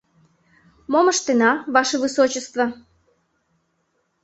Мом ыштена, ваше высочество?